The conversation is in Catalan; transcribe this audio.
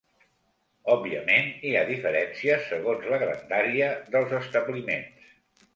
Òbviament, hi ha diferències, segons la grandària dels establiments.